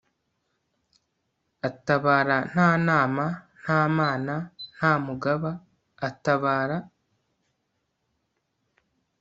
atabara nta nama, nta mana, nta mugaba atabara